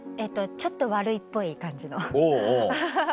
ちょっと悪いっぽい感じのアハハハ。